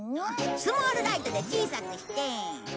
スモールライトで小さくして。